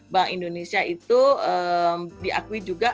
bank indonesia itu diakui juga